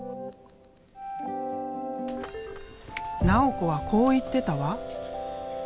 直子はこう言ってたわ。